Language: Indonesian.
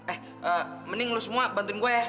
eh mending lu semua bantuin gue ya